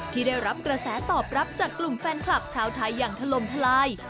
ที่ได้รับกระแสตอบรับจากกลุ่มแฟนคลับชาวไทยอย่างถล่มทลาย